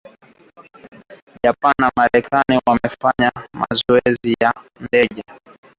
Japan na Marekani wamefanya mazoezi ya ndege za kijeshi saa chache baada ya China na Urusi